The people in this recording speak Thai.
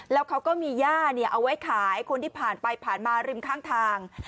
แล้วเขาก็มีย่าเอาไว้ขายคนที่ผ่านไปผ่านมาริมข้างทาง